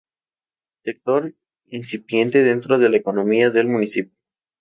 Sector incipiente dentro de la economía del municipio.